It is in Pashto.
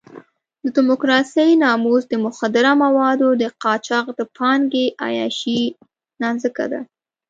د ډیموکراسۍ ناموس د مخدره موادو د قاچاق د پانګې عیاشۍ نانځکه ده.